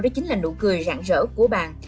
đó chính là nụ cười rạng rỡ của bạn